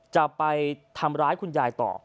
จะไปทำร้ายคุณยายต่อ